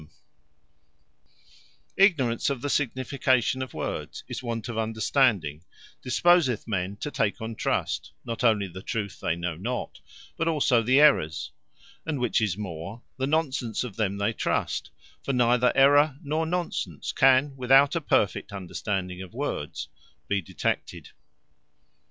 And From Want Of Understanding Ignorance of the signification of words; which is, want of understanding, disposeth men to take on trust, not onely the truth they know not; but also the errors; and which is more, the non sense of them they trust: For neither Error, nor non sense, can without a perfect understanding of words, be detected.